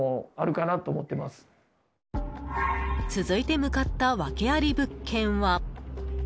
続いて向かったワケあり物件は。